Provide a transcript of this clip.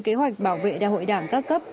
kế hoạch bảo vệ đại hội đảng các cấp